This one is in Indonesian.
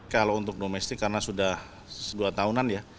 kalau untuk domestik karena sudah dua tahunan ya